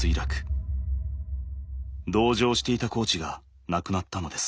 同乗していたコーチが亡くなったのです。